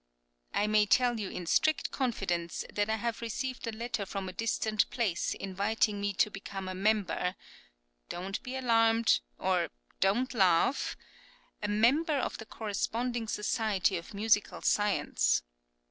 I may tell you in strict confidence that I have received a letter from a distant place inviting me to become a member don't be alarmed or don't laugh a member of the Corresponding Society of Musical Science.